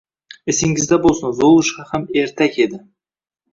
Esingizda bo'lsa "Zolushka" ham ertak edi...